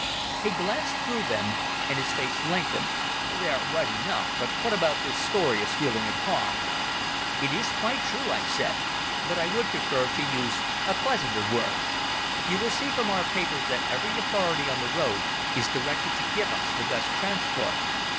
He glanced through them, and his face lengthened. "They're right enough. But what about this story of stealing a car?" "It is quite true," I said, "but I would prefer to use a pleasanter word. You will see from our papers that every authority on the road is directed to give us the best transport.